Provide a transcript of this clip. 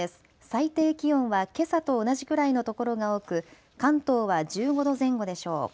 最低気温はけさと同じくらいの所が多く関東は１５度前後でしょう。